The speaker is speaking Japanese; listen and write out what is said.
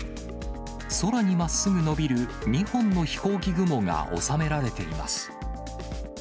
空にまっすぐ伸びる２本のひこうき雲が収められています。